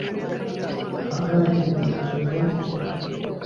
ahari mu gihe kinganga iki